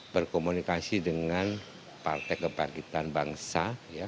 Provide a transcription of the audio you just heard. berkomunikasi dengan partai kebangkitan bangsa